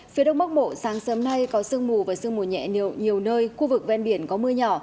phía đông bắc bộ sáng sớm nay có sương mù và sương mù nhẹ nhiều nơi khu vực ven biển có mưa nhỏ